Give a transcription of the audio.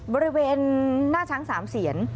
บริเวณหน้าช้างสามเสียน